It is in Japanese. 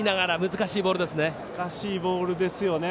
難しいボールですよね。